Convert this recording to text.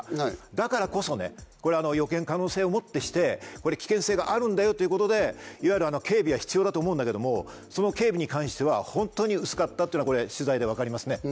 だからこそこれは予見可能性をもってして危険性があるんだよっていうことで警備は必要だと思うんだけどもその警備に関してはホントに薄かったっていうのはこれ取材で分かりますね。